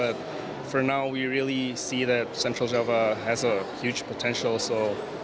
tapi untuk saat ini kita melihat bahwa central java memiliki potensi yang besar